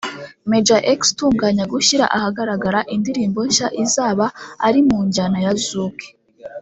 Major X uteganya gushyira ahagaragara indirimbo nshya izaba ari mu njyana ya zouk